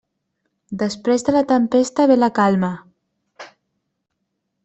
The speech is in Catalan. Després de la tempesta ve la calma.